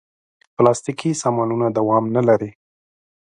پلاستيکي سامانونه دوام نه لري.